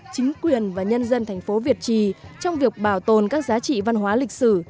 chính quyền và nhân dân thành phố việt trì trong việc bảo tồn các giá trị văn hóa lịch sử